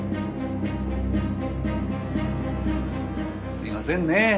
すいませんねえ